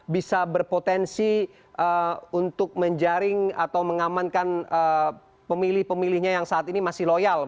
bisa berpotensi untuk menjaring atau mengamankan pemilih pemilihnya yang saat ini masih loyal